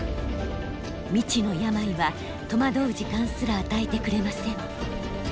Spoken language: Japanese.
未知の病は戸惑う時間すら与えてくれません。